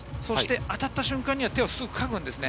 当たった瞬間には手をかくんですね。